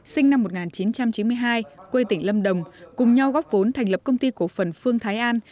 sinh năm một nghìn chín trăm chín mươi hai quê tỉnh lâm đồng cùng nhau góp vốn thành lập công ty cổ phần phương thái an